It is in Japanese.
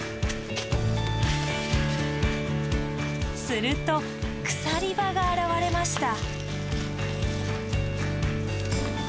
すると鎖場が現れました。